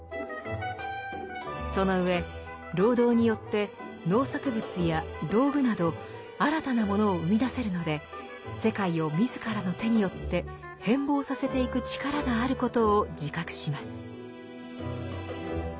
その上労働によって農作物や道具など新たなものを生み出せるので世界を自らの手によって変貌させていく力があることを自覚します。